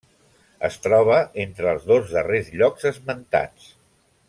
Es troba entre els dos darrers llocs esmentats.